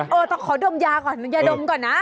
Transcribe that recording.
เออต้องขอดมยาก่อนยาดมก่อนนะ